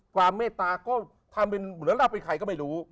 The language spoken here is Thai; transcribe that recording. เมตตาก็ทำเป็นเหมือนเราเป็นใครก็ไม่รู้